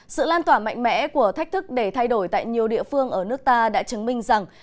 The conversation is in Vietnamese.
sự lan tỏa mạnh mẽ của thách thức để thay đổi tại nhiều địa phương ở nước ta đã chứng minh rằng